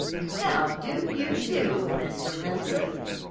"How do you do, Mr. Remsen?"